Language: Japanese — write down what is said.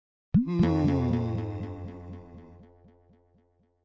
うん。